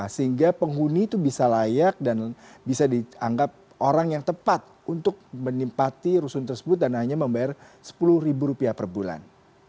sehingga penghuni itu bisa layak dan bisa dianggap orang yang tepat untuk menempati rusun tersebut dan hanya membayar sepuluh ribu rupiah per bulan